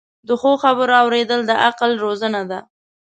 د ښو خبرو اوریدل د عقل روزنه ده.